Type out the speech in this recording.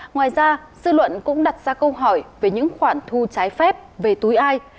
ngoài ra dư luận cũng đặt ra câu hỏi về những khoản thu trái phép về túi ai